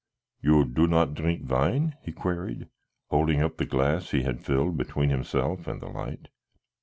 "You do not drink wine?" he queried, holding up the glass he had filled between himself and the light.